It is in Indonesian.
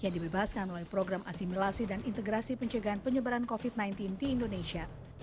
yang dibebaskan melalui program asimilasi dan integrasi pencegahan penyebaran covid sembilan belas di indonesia